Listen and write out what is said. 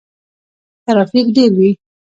ترافیک ډیر وي.